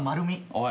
おい！